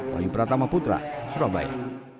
wahyu pratama putra surabaya